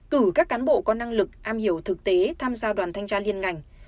cử các cán bộ có năng lực am hiểu thực tế tham gia đoàn thanh tra liên ngành